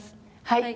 はい。